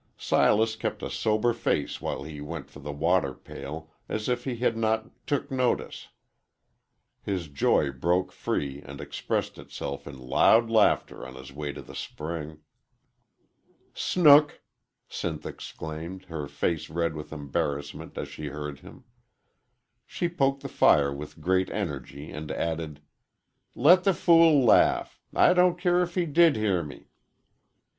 Silas kept a sober face while he went for the water pail, as if he had not "took notice." His joy broke free and expressed itself in loud laughter on his way to the spring. "Snook!" Sinth exclaimed, her face red with embarrassment as she heard him. She poked the fire with great energy, and added: "Let the fool laugh. I don't care if he did hear me."